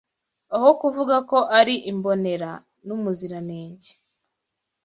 Aho kuvuga ko ari imbonera n’umuziranenge